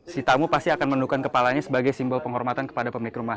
si tamu pasti akan menundukan kepalanya sebagai simbol penghormatan kepada pemilik rumah